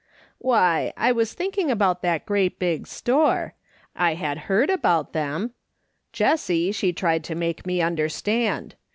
" Why, I was thinking about that great big store. I had heard about them ; Jessie, she tried to make me understand.